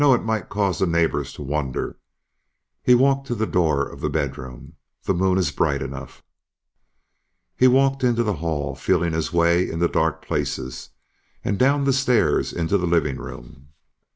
It might cause the neighbors to wonder." He walked to the door of the bedroom. "The moon is bright enough." He walked into the hall, feeling his way in the dark places, and down the stairs into the living room.